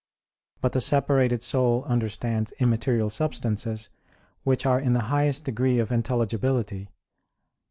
But the separated soul understands immaterial substances, which are in the highest degree of intelligibility.